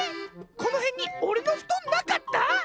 このへんにおれのふとんなかった？